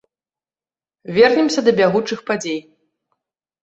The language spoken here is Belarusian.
Вернемся да бягучых падзей.